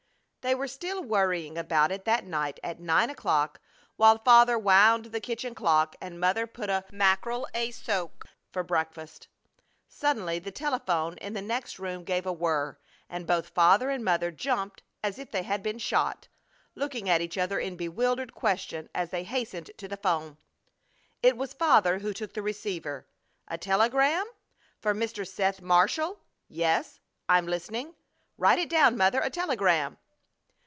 They were still worrying about it that night at nine o'clock while Father wound the kitchen clock and Mother put a mackerel asoak for breakfast. Suddenly the telephone in the next room gave a whir, and both Father and Mother jumped as if they had been shot, looking at each other in bewildered question as they hastened to the 'phone. It was Father who took down the receiver. "A telegram? For Mr. Seth Marshall! Yes, I'm listening! Write it down, Mother! A telegram!"